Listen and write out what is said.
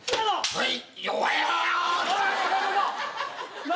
はい。